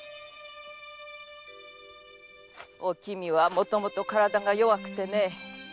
おきみはもともと体が弱くてね。